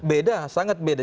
beda sangat beda